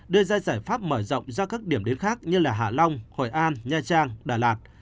đưa ra giải pháp mở rộng ra các điểm đến khác như hạ long hội an nha trang đà lạt